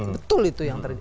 betul itu yang terjadi